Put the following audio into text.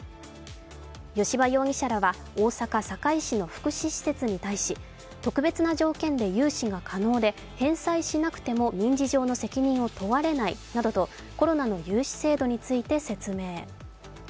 吉羽容疑者らは大阪・堺市の福祉施設に対し特別な条件で融資が可能で返済しなくても民事上の責任を問われないなどとコロナの融資制度について説明。